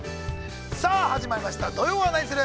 ◆さあ始まりました「土曜はナニする！？」。